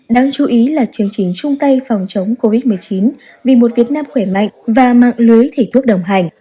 đáng chú ý là chương trình chung tay phòng chống covid một mươi chín vì một việt nam khỏe mạnh và mạng lưới thể thuốc đồng hành